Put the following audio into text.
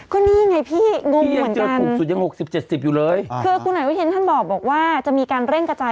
ก็นี่ไงพี่งงเหมือนกันคุณหน่วยเห็นท่านบอกว่าจะมีการเร่งกระจาย